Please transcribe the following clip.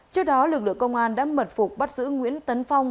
trước đó lực lượng công an đã mật phục bắt giữ nguyễn tấn phong